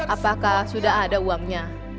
apakah sudah ada uangnya